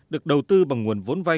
được đầu tư bằng nguồn vốn vai